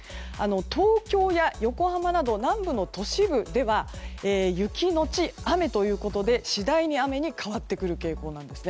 東京や横浜など南部の都市部では雪のち雨ということで、次第に雨に変わってくる傾向です。